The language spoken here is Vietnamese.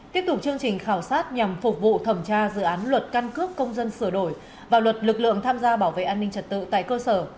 tiếp tục chương trình khảo sát nhằm phục vụ thẩm tra dự án luật căn cước công dân sửa đổi và luật lực lượng tham gia bảo vệ an ninh trật tự tại cơ sở